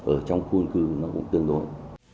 ở trong khu dân cư nó cũng tương đối